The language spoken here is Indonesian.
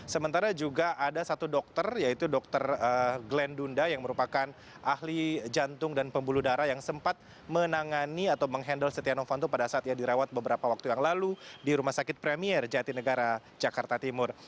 sementara juga ada satu dokter yaitu dokter glenn dunda yang merupakan ahli jantung dan pembuluh darah yang sempat menangani atau menghandle setia novanto pada saat ia dirawat beberapa waktu yang lalu di rumah sakit premier jatinegara jakarta timur